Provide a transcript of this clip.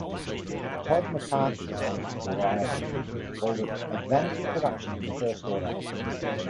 Todd McCarthy of "Variety" called it "a vanity production of the first order.